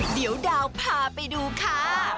เดี๋ยวดาวพาไปดูค่ะ